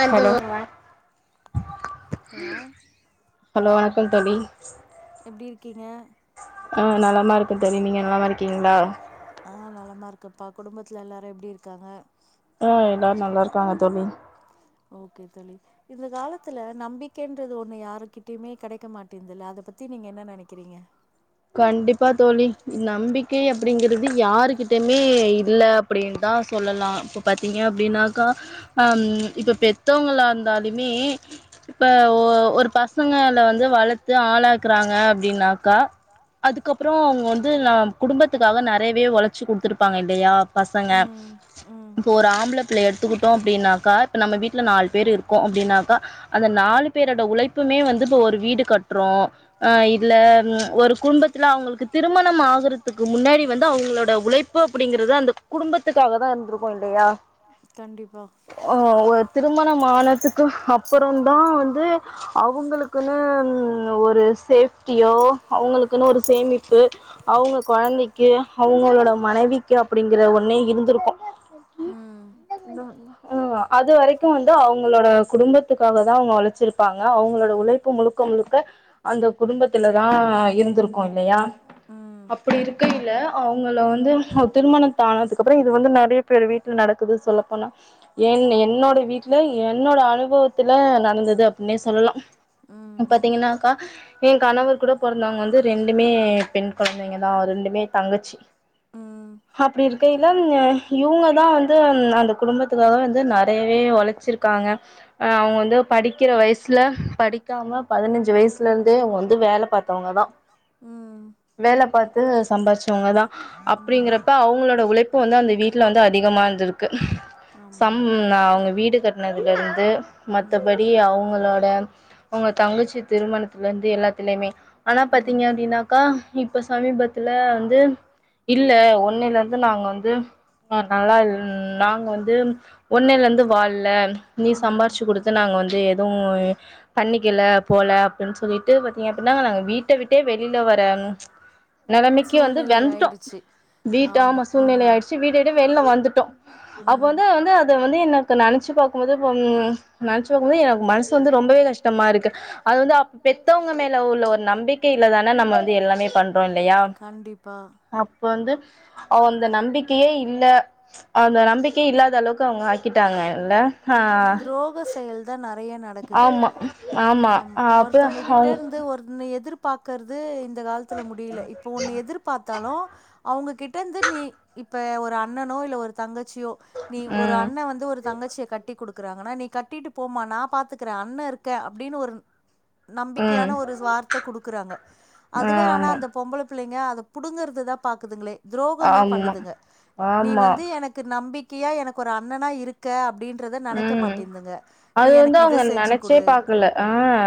ஆமா ஹலோ ஆர் எப்டி இருக்கீங்க ஆ நலாம இருக்கே தோலி நீங்க நலமா இருக்கீங்களா ஆ நலமா இருக்கப்பா குடும்பத்துல எல்லாரு எப்டி இருக்காங்க ஆ எல்லாரு நல்லா இருக்காங்க தோலி ஓகே தோலி இந்த காலத்துல நம்பிக்கைன்றது ஒண்ணு யாருகிட்டயுமே கெடைக்க மாட்டேன்தில்ல அத பத்தி நீங்க என்ன நெனைக்கிறீங்க கண்டிப்பா தோலி நம்பிக்கை அப் அப்படிங்கிறது யாருகிட்டயுமே இல்ல அப்படின்தா சொல்லலா இப்ப பாத்தீங்க அப்டின்னாக்கா அம் இப்ப பெத்தவங்களா இருந்தாலுமே இப்ப ஒ ஒரு பசங்கள வந் வளத்து ஆளாக்குறாங்க அப்டின்னாக்கா அதுக்கப்புறொ அவங்க வந்து நம் குடும்பத்துக்காக நெறையவே ஒளைச்சி குடுத்துருப்பாங்க இல்லையா பசங்க இப்போ ஒரு ஆம்பள பிள்ளய எடுத்துக்கிட்டோ அப்டின்னாக்கா இப்ப நம்ம வீட்ல நாலு பேர் இருக்கோ அபடின்னாக்கா அந்த நாலு பேரோட உளைப்புமே வந்து இப்ப ஒரு வீட் வீடு கட்றோ ஆ இல்ல ஒ குன்டத்துல அவங்களுக்கு திருமணம் ஆகுறதுக்கு முன்னாடி வந்து அவங்களோட உளைப்பு அப்படிங்கறிறது அந்த குடும்பத்துக்காக தா இருந்திருக்கு இல்லையா ஆ ஒரு திருமணம் ஆனதுக்கு அப்புறந்தா வந்து அவங்களுக் க்குன்னு ஒரு சேஃப் டியோ அவங்களுக்கு இன்னொரு சேமிப்பு அவங்க கொழந்தைக்கு அவங்களோட மனைவிக் க்கு அப்படிங்கற ஒன்னு இருந்திருக்கு [unintelligible] ஆ அது வரைக்கு வந்து அவங்களோட குடும்பத் த்துக்காக தா அவங்க ஒளச்சிருப்பாங்க அவங்களோட உளைப்பு முலுக்க முலுக்க அந்த குடும்பத்துல தா இருந்திருக் ன்னு இல்லையா அப்படி இருக்கையில அவுங் உங்கள வந்து அ திருமணத் தானதுக்கு அப்புற இது வந்து நெறைய பேர் வீட்டுல நடக்குது சொல்லப்போனா என் என்னோட வீட்ல என்னோட அனுபவத்துல நடந்தது அப்புட்னே சொல்லலா பாத்தீங்கன்னாக்கா எ கணவர் கூட பொறந்தவங்க வந்து ரெண்டுமே பெண் கொழந்தைங்க தா ரெண்டுமே தங்கச்சி அப்டியே கையில ம் அ இவுங்கதா வந்து அந்த குடும்பத்துக்காக வந்து நெறையவே ஒளச்சிருக்காங்க அ அவுங்க வந்து படிக்கிற வயசுல படிக்காம பதினஞ்சு வயசுலருந்தே அவுங்க வந்து வேல பாத்தவங்கதா வேல பாத்து சம்பாதிச்சவங்கதா அப்படிங்கறப்ப அவுங் உளைப்பு வந்து அந்த வீட்ல வந்து அதிகமா இருந்திருக்கு சம் அவுங்க வீடு கட்னதுலருந்து மத்தபடி அவுங்களோட அவுங்க தங்கச்சி திருமணத்துல இருந்து எல்லாத்துலயுமே ஆன் பாத்தீங்க அப்டின்னாக்கா இப்ப சமிபத்து ல வந்து இல்ல ஒன்னில்ல து நாங்க வந்து ஆ நல்லா இல் நாங்க வந்து ஒன்னில்ல இருந்து வாழல நீ சம்பாறிச்சு குடுத்து நாங்க வந்து எதுவு பண்ணிக்கல போல அப்டின்னு சொல்லிட்டு பாத்தீங்க அப்டின்னா வீட்ட விட்டே வெளில வர நெலமைக்கு வந்து வந்துட்டோ வீட்டு ஆமா சூழ்நிலை ஆயிடுச்சு வீட்ட விட்டு வெளில வந்துட் ட்டோ அப்ப வந்து வந்து அத வந்து எனக்கு நெனச்சு பாக் ஒரே பொண்ணு நெனச்சாக் கூடோ எனக்கு மனசு வந்து ரொம்பவே கஷ்டமா இருக்கு அது வந்து அப் பெத்தவங்க மேல உள்ள ஒரு நம்பிக் க்கைல்ல தான நம்ம வந்து எல்லாமே பண் றோ இல்லையா அப்ப வந்து அவ் அந்த நம்பிக்கையே இல்ல அந்த நம்பிக்கை இல்லாத அளவுக்கு அவங்க ஆக்கிட்டாங்க இல்ல ஹா செயல்தான றைய நடக்குது ஆம்மா ஒருத்தவங்க கிட்ட இருந்து ஒரு எதிர்ப் பாக்கற்து இந் ந்த காலத்துல முடில இப்ப ஒன்னு எதிர்பாத்தாலு அவுங்க கிட்ட இருந்து நீ இப்ப ஒரு அண்ணனோ இல்ல ஒரு தங்கச் ச்சியோ நீ ஒரு அண்ண வந்து ஒரு தங்கச்சிய கட்டிக் குடுக் க்கறாங்கன்னா நீ கட்டிட்டு போமா நா பாத்துக்குறே அண்ண இருக்க அப்டின்னு ஒரு நம்பிக்கையான ஒரு வார்த்த குடுக்குறாங்க அதுவே ஆனா அந்த பொம்பள புள்ளை ங்க அத புடுங்கற்துதா பாக்குதுங்களே துரோகந்தா பண்ணுதுங்க நீ வந்து எனக் நம்பிக்கையா எனக்கு ஒரு அண்ணனா இருக்க அப்டின் ன்றத நெனைக்க மாட்டேந்துங்க நீ எனக்கு இத செஞ்சு குடு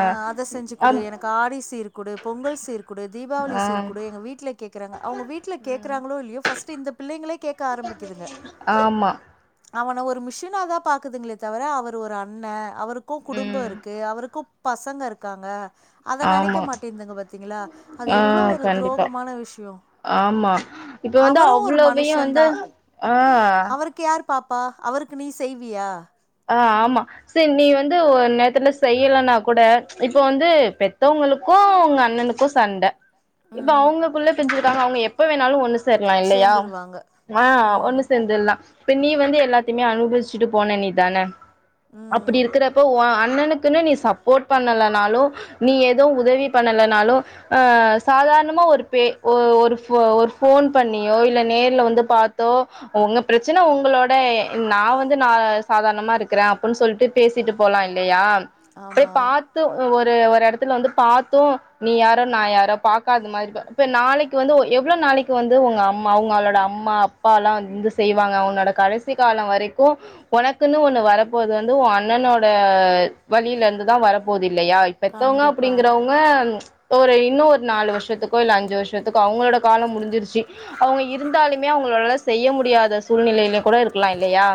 ஆ அத செஞ்சு கொடு எனக்கு ஆடி சீரு குடு பொங்கல் சீர் கூடு தீபாவளி சீர்குடு எங்க வீட்டல கேக்குகறங்க அவங்க வீட்டல கேக்கறாங்கலோ இல்லையோ பர்ஸ் த்து இந்த பிள்ளைங்களைக் கேட்க ஆரம்பிக்குதுங்க ஆமா அவனை ஒரு மிஷினா தான் பார்க்குதுங்களே தவிர அவர் ஒரு அண்ண அவருக்கு குடும்ப இருக்கு அவருக்கும் பசங்க இருக்காங்க அத நினைக்க மாட்டே இத்திங்க பாத்தீங்களா அது எவ்வளவு ஒரு துரோகமான விஷயம் அவரு ஒரு மனுஷன் தான் அவருக்கு யார் ர் பாப்பா அவருக்கு நீ செய்வியா ஆமா சேரி நீ வந்து ஒரு நேரத்துல செய்யலன்னா கூட இப்ப வந்து பெத்தவங்களுக்கு உங்க அண்ணனுக்கு சண்ட இப்ப அவங்களுக்குள்ள பிரிஞ்சுட்டாங்க அவங்க எப்ப வேணாலும் ஒண்ணு சரலாம் இல்லையா ஆ ஒண்ணு சேர்ந்துலா இப்ப நீ வந்து எல்லாத்தையமே அனுபவிச்சுட்டு போன நீ தானே அப்படி இருக்கிறப்போ ஒ அ அண்ணனுக்குன்னு நீ சப்போர்ட் பண்ணலைனாலு நீ எதவு உதவி பண்ணலைனாலு ஆ சாதாரணமா ஒரு பே ஒ ஒரு போ ஒரு போன் பண்ணியோ இல்ல நேர்ல வந்து பார்த்தோ உங்க பிரச்சனை உங்களோட நா வந்து ந சாதாரணமா இருக்கிறே அப்புடின்னு சொல்லிட்டு பேசிட்டு போலா இல்லையா போய் பார்த்து ஒரு ஒரு ஒரு இடத்துல வந்து பார்த்தோம் நீ யாரோ நா யாரோ பாக்காதது மாரி இப்ப இப்ப நாளைக்கு வந்து எவ்வளவு நாளைக்கு வந்து உங்க அம்மா அவங்களோட அம்மா அப்பா எல்லா வந்து செய்வாங்க அவங்களோட கடைசி காலம் வரைக்கு உனக்குன்னு ஒண்ணு வரப்போது வந்து உன் அண்ணனோட வழியில இருந்துதா வரப்போது இல்லையா இப் பெத்தவங்க அப்படிங்கறவங்க ஒரு இன்னு ஒரு நாலு வருஷத்துக்கோ இல்ல அஞ்சு வருஷத்துக்கோ அவங்களோட காலம் முடிஞ்சிருச்சு அவங்க இருந்தாலுமே அவங்களோல செய்ய முடியாத சூழ்நிலையிலயும் கூட இருக்கலா இல்லையா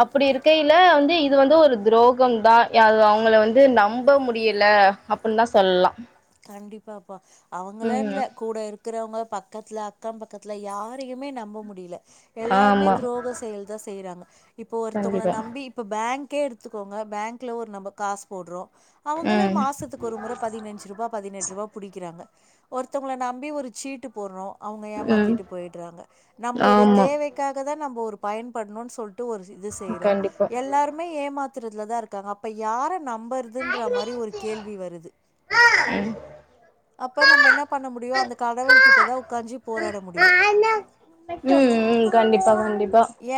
அப்படி இருக்கையில வந்து இது வந்து ஒரு துரோகம் தான் [unintelligible] அது அவங்கள வந்து நம்ப முடியல அப்படின்னு தான் சொல்லலாம் உம் அக்கம் பக்கத்தில யாரையுமே நம்ப முடியல எல்லாருமே துரோக செயல் தா செய்யறாங்க இப்போ ஒருத்தவங்கள நம்பி இப்ப பேங்க் கே எடுத்துக்கோங்க பேங்க் க்ல ஒரு நம்ம காசு போடுறோ அவங்களே மாசத்துக்கு ஒரு முற பதினஞ்சு ரூபா பதினெட்டு ரூபா புடிக்கிறாங்க ஒருத்தவங்கள நம்பி ஒரு சீட்டு போடுறோ அவங்க ஏமாத்திட்டு போயிடுறாங்க நம்மளுடைய தேவைக்காக தான் நம்ம ஒரு பயன்படணும்னு சொல் டு ஒரு இது இது செய்யறோம் எல்லாருமே ஏமாத் த்றதுல தான் இருக் காங்க அப்ப யார ந ம்பருதுன்ற மாரி ஒரு கேள்வி வருது அப்ப நம்ம என்ன பண்ண முடியு அந்த கடவுள் கிட்டதா உக்காஞ்சி போராட முடியு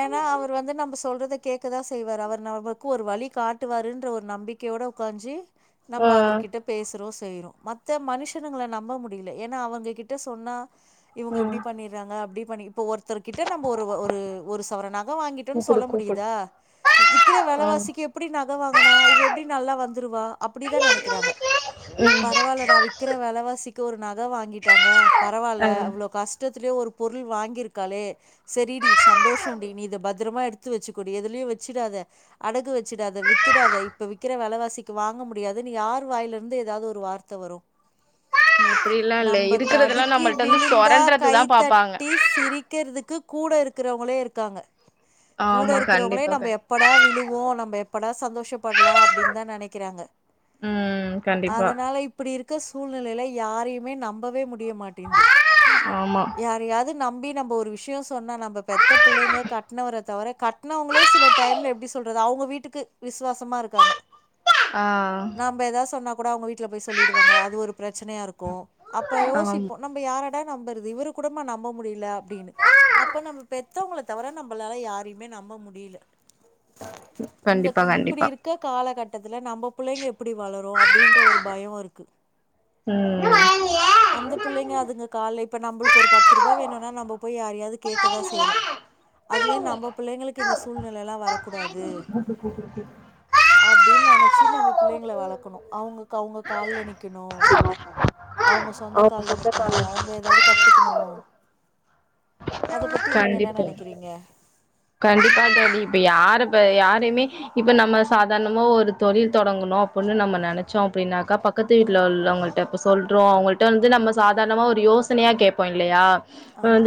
ஏனா அவர் வந்து நம் ம சொல்றதைன கேக்கதா செய்வாரு அவர் நமக்கு ஒரு வழி காட்டுவாருன்ற ஒரு நம்பிக்கையோட உக்காஞ்சி நம்ப அவர்கிட்ட பேசுறோ செய்றொ மத்த மனுஷனுங்கள நம்ப முடியில ஏன்னா அவுங்க கிட்ட சொன்னா இவுங்க இப்டி பண்ணிர்றாங்க அப்டி பணி இப்ப ஒருத்தர்க்கிட்ட நம்ப ஒரு வ ஒரு ஒரு சவரன் நக வாங்கிட்டொன் சொல்ல முடியிதா விக்கிற வெல வாசிக்கி எப்புடி ந க வாங்குனா இவ எப்டி நல்லா வந் துருவா அப்புடிதா நெனக்கிறாங்க பரவால்லடா விக்கிற வெலவாசி நக வாங்கிட்டாங்க பரவால்ல அவ்ளோ கஷ்ட த்துலயு ஒரு பொருள் வாங்கிருக்காளே செரிடி சந்தோஷொன்டி நீ இத பத்திரமா எடுத்து வச்சுக்கொடி எதுலயு வச்சுடாத அடகு வச்சுடாத வித்துடாத இப்ப விக்கிற வெலவாசிக்கு வாங்க முடியாதுனு யார் வாய்ல இருந்து எதாவ்து ஒரு வார்த்த வரு நம்ப தடுக்கி விழுந்தா கைத்தட்டி சிரிக்கற்துக்கு கூட இருக் கிறவ்ங்களே இருக்காங்க கூட இருக்குறவ்ங்களே நம்ம எப்படா விழுவோ நம்ப எப் சந்தோஷப்பட்லா அப்டின் தா நெனக்கிறாங்க அதனால இப்புடி இருக் க சூழ்நிலைல யாரையுமே நம்பவே மு டியமாட்டின்து யாரயாது நம்பி நம்ப ஒரு விஷ்யொ சொன்னா நம்ப பெத்த புள்ளைங்க கட்னவர தவிர கட்னவுங்களே சில டைம்ல எப்டி சொல்றது அவுங்க வீட்டுக்கு விஸ்வாசமா இருக்காங்க நம்ப எதா சொன்னா அப்பறொ அவுங்க வீ ட்ல போய் சொல்லிடுவாங்க அது ஒரு பிரச்சனயா இருக்கு அப்ப யோசிப்போ நம்ப யார நம்பறது இவரு கூடமா நம்ப முடில அப்டின்னு அப்ப நம்ம பெத்தவ்ங்கள தவிர நம்பளால யாரையுமே நம்ப முடில இந்தக்கு இப்பிடி இருக்க காலகட் டத்துல நம்ப புள்ளைங்க எப்பிடி வளரு அப்டின்ற ஒரு பயொ இருக்கு அந்த பிள்ளைங்க அதுங்க கால்லெ இப்ப நம்பளுக்கு ஒரு பத்து ருபா வேணுன்னா நம்ப போய் யார் டியாது கேக்கதா செய்றொ அதுவே நம்ப பிள்ளைங்களுக்கு இந்த சூழ்நிலைலா வர கூடாது அம் அப்டின்னு நெனச்சி நம்ம பிள்ளைங்கள வளக்கணும். அவங்க அவங்க கால்ல நிக்கணும். அவுங்க சொந்த கால்ல நிக்கணும். அவுங்க ஏதாவது கத்துக்கணும். அ நீங்க என்ன நினைக்கிறீங்க கண்டிப்பாக தோழி இப்போ யார் இப்போ யாரையுமே இப்போ நம்ம சாதாரணமாக ஒரு தொழில் தொடங்கணும் அப்படனு நம்ம நினைச்சோம் அப்படின்னாக்கா பக்கத்து வீட்டில் உள்ளவங்கள்ட இப்போ சொல்கிறோம் அவங்கள்ட வந்து நம்ம சாதாரணமாக ஒரு யோசனையாக கேட்போம் இல்லையா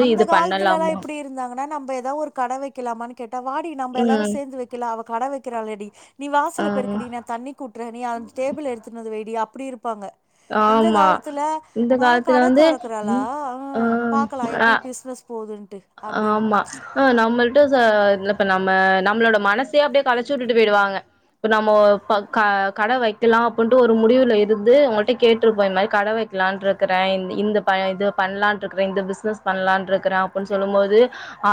அந்த காலத்துல எல்லாம் எப்படி இருந்தாங்கன்னா நம்ம ஏதோ ஒரு கட வைக்கலாமான்னு கேட்ட வாடி நம்ம எல்லாரும் சேந்து வைக்கல அவ கட வக்க இன் ஆடியபிள் [unintelligible] வாசல பெருக்கடி நான் தண்ணி கொடுக்குறே நீ அந்த டேபிள் எடுத்துகொன்டுவைடி அப்டி அப்படி இருப்பாங்க இந்த காலத்துல ஆஹ கட தொறக்குறாளா ஆஹ் பாக்கலாம் எப்படி பிஸ்னெஸ் போகுதுன்னு ஆமா ஆஹ நம்ம கிட்ட இப்ப நம்ம நம்மளோட மனசே அப்படியே கலச்சி விட்டுட்டு போயிடுவாங்க இப்ப நம்ம கட வைக்கலாம் அப்படின்ட்டு ஒரு முடிவுல இருந்து உங்கள்ட கேட்டு இருப்போம், இந்த மாதிரி கடை வைக்கலான் இருக்கிறேன். இது பண்ணலான் இருக்கிறேன். இந்த பிசினஸ் பண்ணலான் இருக்கிறேன். அப்படின்னு சொல்லும் போது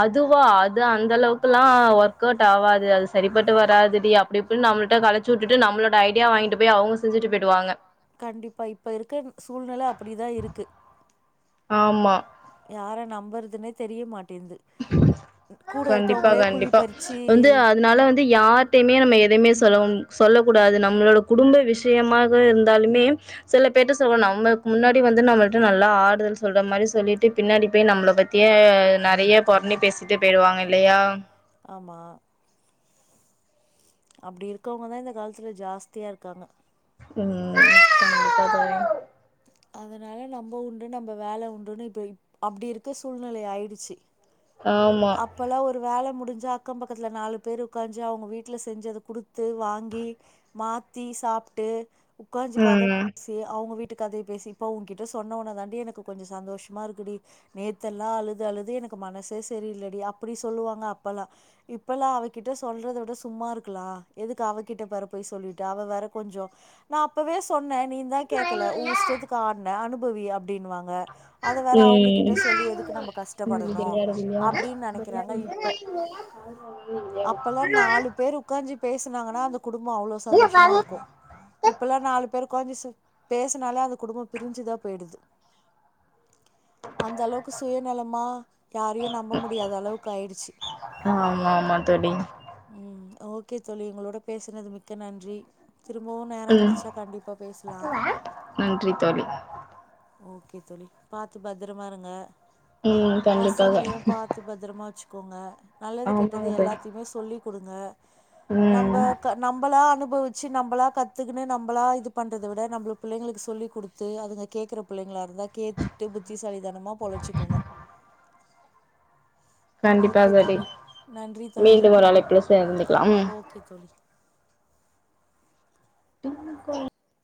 அதுவா அது அந்த அளவுக்குெல்லாம் ஒர்க் அவுட் ஆவாது அது சரிப்பட்டு வராதுடி அப்படி இப்படனு நம்மள்ட கழச்சு விட்டுட்டு நம்மளோட ஐடியா வாங்கிட்டு போய் அவங்க செஞ்சுட்டு போயிட்டுவாங்க கண்டிப்பா இப்ப இருக்க சூழ்நிலை அப்படிதான் இருக்கு ஆமா வருதுனே தெரிய மாட் [unintelligible] கண்டிப்பா கண்டிப்பா வந்து அதனால வந்து யார்டையுமே நம்ம எதையுமே சொல்லக்கூடாது நம்மளோட குடும்ப விஷயமாக இருந்தாலுமே சில பேர் சொல்லா நம்மக்கு முன்னாடி வந்து நல்லா ஆறுதல் சொல்ற மாதிரி சொல்லிட்டு பின்னாடி போய் நம்மளை பத்திய நிறைய பொறனி பேசிகிட்டு போயிடுவாங்க இல்லையா ஆமா அப்டி இருக்கவங்க தான் இந்த காலத்துல ஜாஸ்தியா இருக்காங்க [unintelligible] உ கண்டிப்பாக தோழி [inaudible] அதனால நம்ம உண்டு நம்ம வேலை உண்டுன்னு இப்ப அப்படி இருக்க சூழ்நிலை ஆயிடுச்சு அப்பல்லாம் ஒரு காலம் முடிஞ்சா அக்கம் பக்கத்துல நாலு பேர் உட்காஞ்சி அவங்க வீட்டுல செஞ்சத குடுத்து வாங்கி மாத்தி சாப்பிட்டு உட்காஞ்சி [unintelligible] அவங்க பேசி அவங்க வீட் ந்துகதய பேசிப்ப ஓகிட்ட சொன்ன ஒன்ன தாண்டி எனக்கு கொஞ்சோ சந்தோஷமா இருக்குடி நேத்தெல்லா அழுது அழுது எனக்கு மனசே சே தெரியில்லடி அப்டி சொல்லுவாங்க அப்பல்லா இப்பல்லா அவகிட்ட சொல்றத விட சும்மா இருக்கலா எதுக்கு அவகிட்ட பேரபோய் சொல்லிட்டு அவ வேற கொஞ்சோ நா அப்பவே சொ நே நீ தா கேக்கல உ இஷ்டதுக்கு ஆடுன அனுபவ் போவியாப் அப்டினுவாங்க அத வேற அவங்ககிட்ட சொல்லி எதுக்கு நம்ம கஷ்டப்படணு [unintelligible] பேசினாங்கன்னா அந்த குடும்பம் அவ்வளோ சந்தோஷமா இருக்கு இப்பெல்லா நாலு பேர் உட்கார்ந்து சே பேசனாலே அந்த குடும்பம் பிரிஞ்சுதா போயிடுது அந்த அளவுக்கு சுயநலமா யாரையு நம் போ முடியாத அளவுக்கு ஆயிடுச்சு உம் ஓகே தோழி உங்களோட பேசுனது மிக்க நன்றி திரும்பவு நேரோ கிடைச்சா கண்டிப்பா பேசலா ஓகே தோழி பாத்து பத்திரமா இருங்க உம் கண்டிப்பாக பாத்து பதிரமாச் குங்க நல்லது கெட்டது எல்லாத்தையுமே சொல்லி கொடுங்க நம்ம க நம்பலா அனு அனுபவிச்சு நம்மளா கத்துக்கன்னு நம்மளா இது பண்றத விட நம்மள பிள்ளைங்களுக்கு சொல்லிக் கொடுத்து அதுங்க கேக்குற பிள்ளைங்களா இருதா கேத்துட்டு புத்திசாலிதானமா பொழைச்சுக்கோங்க கண்டிப்பா தோழி மீண்டும் ஒரு அழைப்புல சேர்ந்துக்கலா ம் கோ [unintelligible]